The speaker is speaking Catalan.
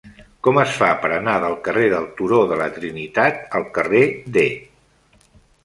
Com es fa per anar del carrer del Turó de la Trinitat al carrer D?